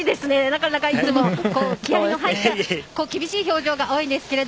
なかなかいつもは気合の入った厳しい表情が多いんですが。